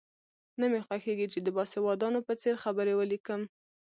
نه مې خوښېږي چې د باسوادانو په څېر خبرې ولیکم.